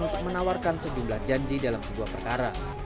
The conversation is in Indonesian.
untuk menawarkan sejumlah janji dalam sebuah perkara